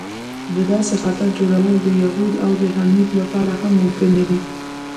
د داسې خطر جوړول د یهود او هنود لپاره هم ممکن نه دی.